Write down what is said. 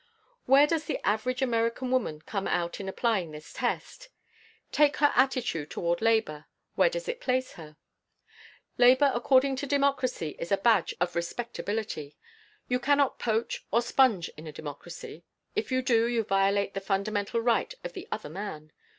Where does the average American woman come out in applying this test? Take her attitude toward labor, where does it place her? Labor according to democracy is a badge of respectability. You cannot poach or sponge in a democracy; if you do, you violate the fundamental right of the other man.